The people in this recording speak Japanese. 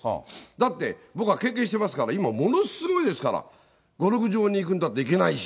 だって、僕は経験してますから、今、ものすごいですから、ゴルフ場に行くんだって行けないし。